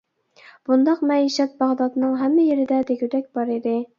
بۇنداق مەئىشەت باغدادنىڭ ھەممە يېرىدە دېگۈدەك بار ئىدى.